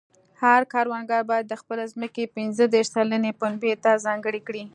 هر کروندګر باید د خپلې ځمکې پنځه دېرش سلنه پنبې ته ځانګړې کړي.